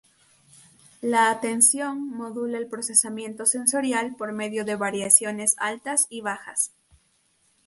La atención modula el procesamiento sensorial por medio de variaciones altas y bajas.